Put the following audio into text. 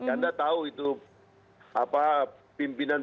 anda tahu itu pimpinan